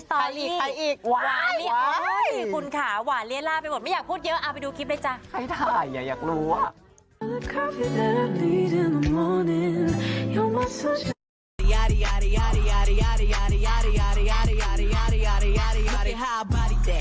ใครอีกใครอีกว้ายว้ายคุณขาหวานเลี้ยนล่าไปหมดไม่อยากพูดเยอะเอาไปดูคลิปด้วยจ้ะ